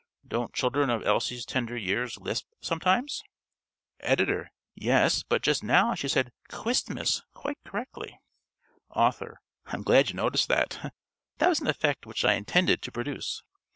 Don't children of Elsie's tender years lisp sometimes?_ ~Editor.~ Yes, but just now she said "Kwistmas" quite correctly ~Author.~ _I am glad you noticed that. That was an effect which I intended to produce.